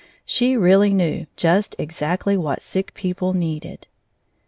She really knew just exactly what sick people needed.